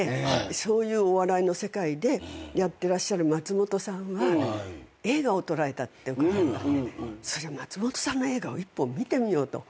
そういうお笑いの世界でやってらっしゃる松本さんは映画を撮られたって伺ったんで松本さんの映画を１本見てみようと。